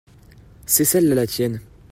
c'est celle-là la tienne.